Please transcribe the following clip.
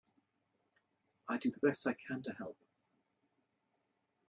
I do the best I can to help.